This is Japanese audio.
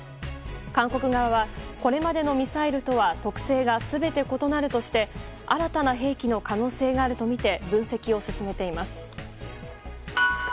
韓国側はこれまでのミサイルとは特性が全て異なるとして新たな兵器の可能性があるとみて分析を進めています。